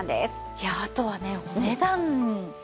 いやああとはねお値段ですね。